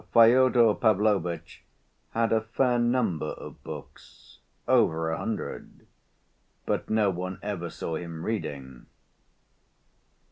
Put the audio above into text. Fyodor Pavlovitch had a fair number of books—over a hundred—but no one ever saw him reading.